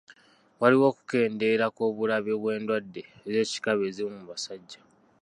Waliwo okukendeera kw'obulabe bw'endwadde z'ekikaba ezimu mu basajja.